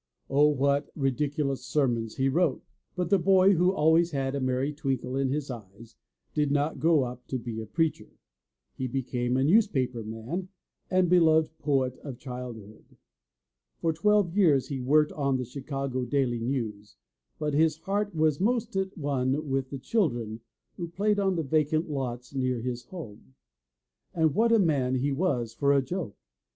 O, what ridiculous sermons he wrote! But the boy, who always had a merry twinkle in his eye, did not grow up to be a preacher. He became a newspaper man and the beloved poet of childhood. For twelve years he worked on the Chicago Daily News but his heart was most at one with the children who played on the vacant lots near his home. And what a man he was for a joke!